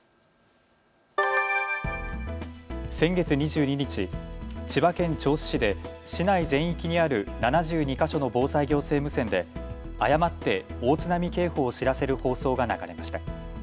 先月２２日、千葉県銚子市で市内全域にある７２か所の防災行政無線で誤って大津波警報を知らせる放送が流れました。